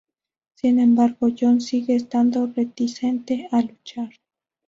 Sin embargo, Jon sigue estando reticente a luchar.